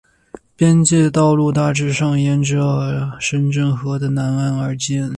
边界道路大致上沿着深圳河的南岸而建。